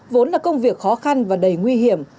vốn là công việc khó khăn và đầy nguy hiểm